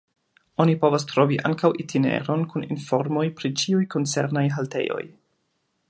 Oni povas trovi ankaŭ itineron kun informoj pri ĉiuj koncernaj haltejoj.